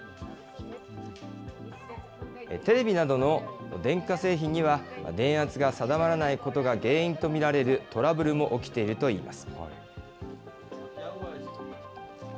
テレビなどの電化製品には電圧が定まらないことが原因と見られるトラブルも起きているといいます。